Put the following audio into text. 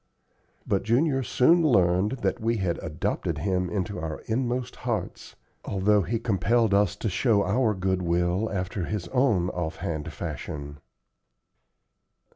But Junior soon learned that we had adopted him into our inmost hearts, although he compelled us to show our good will after his own off hand fashion.